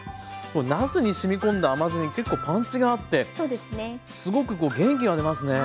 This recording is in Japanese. なすにしみこんだ甘酢に結構パンチがあってすごく元気が出ますね。